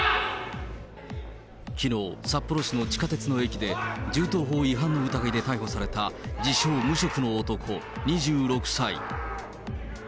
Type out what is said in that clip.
きのう、札幌市の地下鉄の駅で、銃刀法違反の疑いで逮捕された自称無職の男、２６歳。